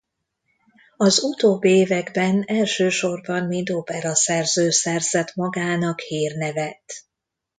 Az utóbbi években elsősorban mint operaszerző szerzett magának hírnevet.